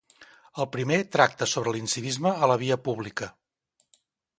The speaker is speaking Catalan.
El primer tracta sobre l'incivisme a la via pública.